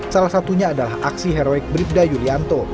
salah satunya adalah aksi heroik bribda yulianto